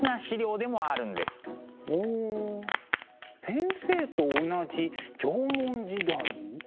ほう先生と同じ縄文時代。